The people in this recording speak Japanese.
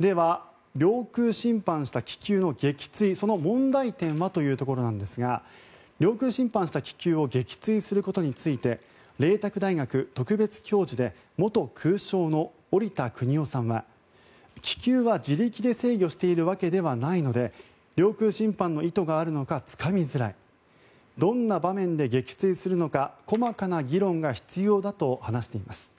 では、領空侵犯した気球の撃墜その問題点はというところなんですが領空侵犯した気球を撃墜することについて麗澤大学特別教授で元空将の織田邦男さんは気球は自力で制御しているわけではないので領空侵犯の意図があるのかつかみづらいどんな場面で撃墜するのか細かな議論が必要だと話しています。